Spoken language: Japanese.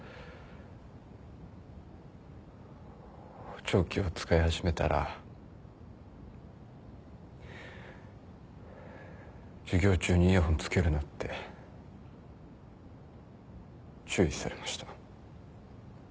補聴器を使い始めたら授業中にイヤホンつけるなって注意されました。